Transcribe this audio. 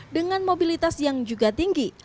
dengan mobilitas yang juga tinggi